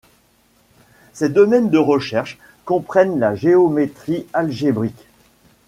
Ses domaines de recherche comprennent la géométrie algébrique.